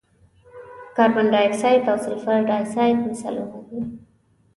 کاربن ډای اکسایډ او سلفر ډای اکساید مثالونه دي.